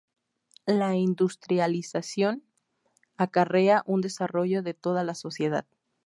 La industrialización acarrea un desarrollo de toda la sociedad.